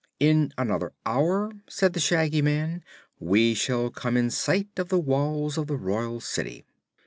"In another hour," said the Shaggy Man, "we shall come in sight of the walls of the Royal City."